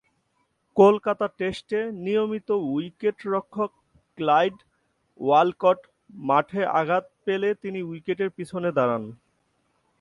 কলকাতা টেস্টে নিয়মিত উইকেট-রক্ষক ক্লাইড ওয়ালকট মাঠে আঘাত পেলে তিনি উইকেটের পিছনে দাঁড়ান।